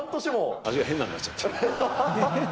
足、変なんなっちゃった。